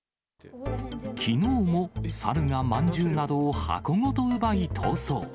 きのうも猿がまんじゅうなどを箱ごと奪い、逃走。